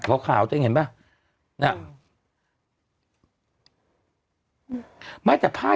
พอขาวจะเห็นป่ะ